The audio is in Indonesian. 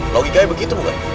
logikanya begitu bukan